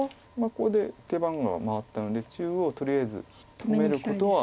ここで手番が回ったので中央とりあえず止めることは。